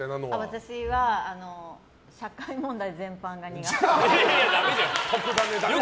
私は社会問題全般が苦手。